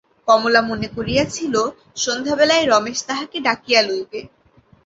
কমলা মনে করিয়াছিল, সন্ধ্যাবেলায় রমেশ তাহাকে ডাকিয়া লইবে।